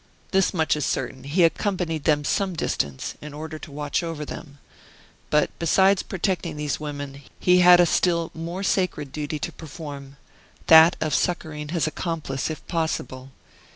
This much is certain, he accompanied them some distance, in order to watch over them. But besides protecting these women, he had a still more sacred duty to perform that of succoring his accomplice, if possible.